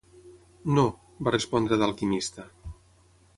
"No", va respondre d'alquimista.